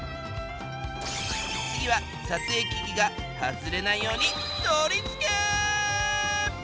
次は撮影機器が外れないように取り付け！